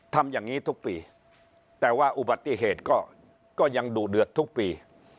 ทำอย่างนี้ทุกปีแต่ว่าอุบัติเหตุก็ยังดุเดือดทุกปี